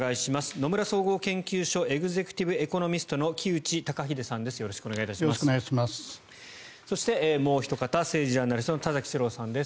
野村総合研究所エグゼクティブ・エコノミストの木内登英さんです。